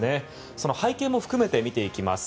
その背景も含めて見ていきます。